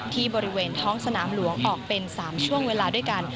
บริเวณท้องสนามหลวงออกเป็น๓ช่วงเวลาด้วยกัน